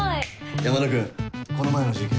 ・山田君この前の事件